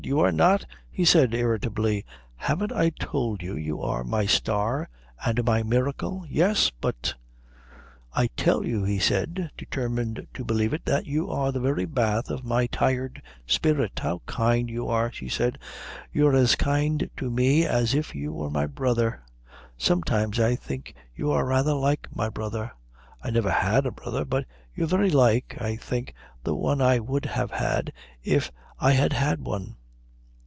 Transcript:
"You are not!" he said irritably. "Haven't I told you you are my star and my miracle?" "Yes, but " "I tell you," he said, determined to believe it, "that you are the very bath of my tired spirit." "How kind you are!" she said. "You're as kind to me as if you were my brother. Sometimes I think you are rather like my brother. I never had a brother, but you're very like, I think, the one I would have had if I had had one."